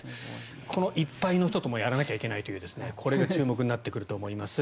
この１敗の人ともやらなきゃいけないというこれが注目になってくると思います。